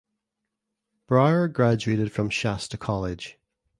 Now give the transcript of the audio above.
Brower graduated from Shasta College.